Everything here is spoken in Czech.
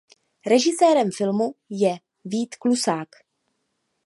Režisérem filmu je Vít Klusák.